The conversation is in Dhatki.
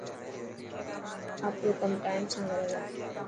آپرو ڪم ٽائم سان ڪري ٿا.